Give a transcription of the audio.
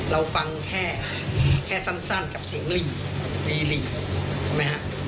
เราฟังแค่แค่สั้นกับเสียงลี่หลี่นะครับ